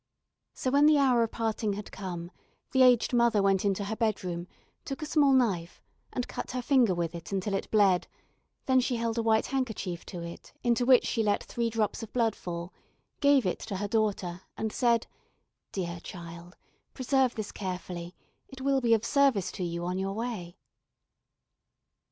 So when the hour of parting had come, the aged mother went into her bedroom, took a small knife and cut her finger with it until it bled, then she held a white handkerchief to it into which she left three drops of blood fall, gave it to her daughter and said: "Dear child, preserve this carefully, it will be of service to you on your way."